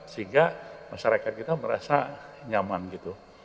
sehingga masyarakat kita merasa nyaman gitu